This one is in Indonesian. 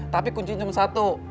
tapi kuncinya cuma satu